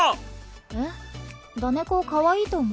えっダネコかわいいと思うけど。